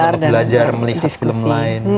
untuk belajar melihat film lain